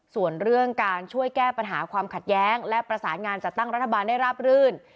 ส่วนเรื่องการช่วยแก้ปัญหาความขัดแย้งและประสานงานจัดตั้งรัฐบาลได้ราบรื่น